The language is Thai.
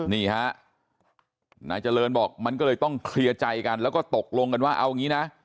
นี่ฮะนายเจริญบอกมันก็เลยต้องเคลียร์ใจกันแล้วก็ตกลงกันว่าเอางี้นะ